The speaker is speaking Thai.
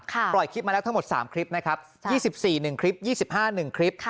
ปล่อยคลิปมาแล้วทั้งหมด๓คลิปนะครับ๒๔๑คลิป๒๕๑คลิป